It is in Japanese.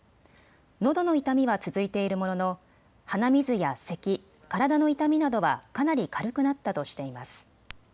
のどの痛みは続いているものの鼻水やせき、体の痛みなどはかなり軽くなったとしています。